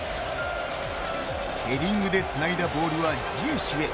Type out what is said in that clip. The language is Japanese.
ヘディングでつないだボールはジエシュへ。